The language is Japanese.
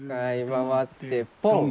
１回回ってポン。